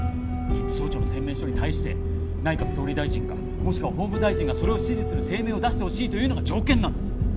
検事総長の宣明書に対して内閣総理大臣かもしくは法務大臣がそれを支持する声明を出してほしいというのが条件なんです。